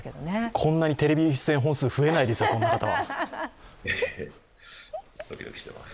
こんなにテレビ番組本数、増えないです、そういう方は。